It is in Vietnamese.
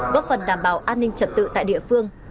góp phần đảm bảo an ninh trật tự tại địa phương